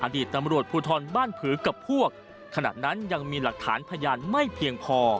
อดีตตำรวจภูทรบ้านผือกับพวกขณะนั้นยังมีหลักฐานพยานไม่เพียงพอ